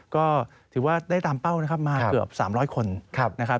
ก็ถือว่าได้ตามเป้ามาเกือบ๓๐๐คน